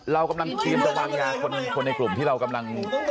เรากำลังเตรียมจะวางยาคนในกลุ่มที่เรากำลัง